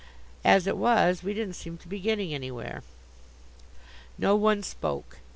As it was, we didn't seem to be getting anywhere. No one spoke.